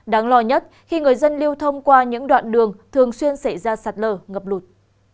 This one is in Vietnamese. đáng lo nhất khi người dân lưu thông qua những đoạn đường thường xuyên xảy ra sạt lở ngập lụt